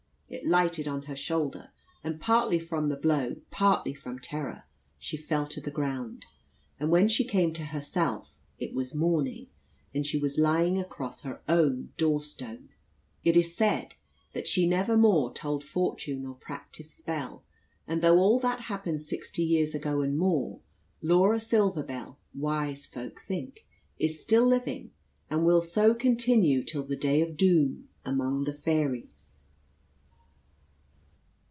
It lighted on her shoulder; and partly from the blow, partly from terror, she fell to the ground; and when she came to herself, it was morning, and she was lying across her own door stone. It is said that she never more told fortune or practised spell. And though all that happened sixty years ago and more, Laura Silver Bell, wise folk think, is still living, and will so continue till the day of doom among the fairies.